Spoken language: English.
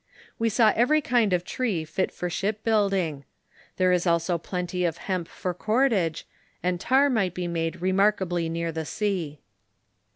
We saw every kind of tree fit for ship building. There is also plenty of hemp for cordage, and tar might be made remarkably near the sea.